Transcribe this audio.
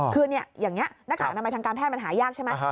คืออย่างนี้หน้ากากอนามัยทางการแพทย์มันหายากใช่ไหม